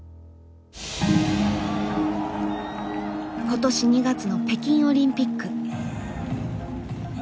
今年２月の北京オリンピック。